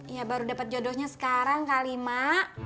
ya baru dapet jodohnya sekarang kali mak